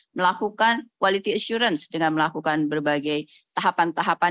melakukan quality assurance dengan melakukan berbagai tahapan tahapan